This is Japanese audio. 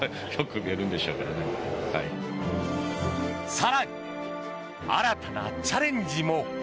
更に、新たなチャレンジも。